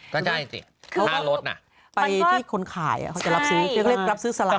ก็ได้จริงค่ารถน่ะไปที่คนขายอ่ะเขาจะรับซื้อเรียกว่ารับซื้อสลัก